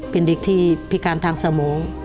เป็นเด็กที่พิการทางสมอง